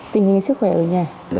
tình hình sức khỏe ở nhà